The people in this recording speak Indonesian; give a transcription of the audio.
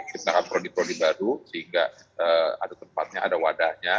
kita akan prodi prodi baru sehingga ada tempatnya ada wadahnya